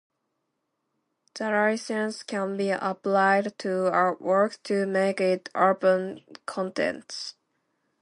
The license can be applied to a work to make it open content.